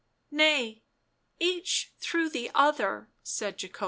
" Nay — each through the other," said Jacobea.